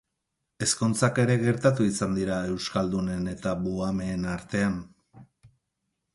Ezkontzak ere gertatu izan dira euskaldunen eta buhameen artean.